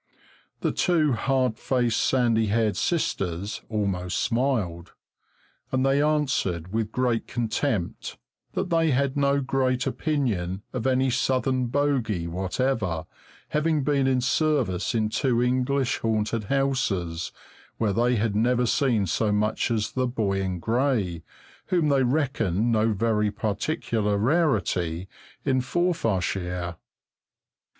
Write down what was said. The two hard faced, sandy haired sisters almost smiled, and they answered with great contempt that they had no great opinion of any Southern bogey whatever, having been in service in two English haunted houses, where they had never seen so much as the Boy in Gray, whom they reckoned no very particular rarity in Forfarshire.